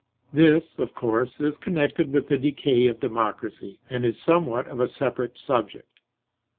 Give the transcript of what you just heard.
This, of course, is connected with the decay of democracy; and is somewhat of a separate subject.